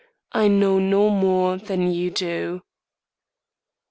I know no more than you do."